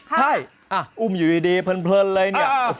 ใช่อุ้มอยู่ดีเพลินเลยเนี่ย